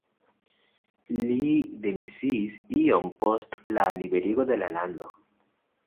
Li demisiis iom post la liberigo de la lando.